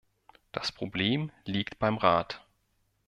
Das Problem liegt beim Rat.